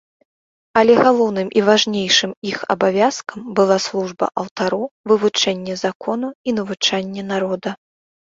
Але галоўным і важнейшым іх абавязкам была служба алтару, вывучэнне закону і навучанне народа.